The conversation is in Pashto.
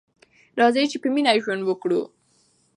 راځئ چې په مینه ژوند وکړو.